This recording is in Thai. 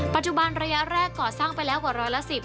ปัจจุบันระยะแรกก่อสร้างไปแล้วกว่าร้อยละ๑๐